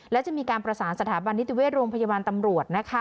และจะมีการประสานสถาบันนิติเวชโรงพยาบาลตำรวจ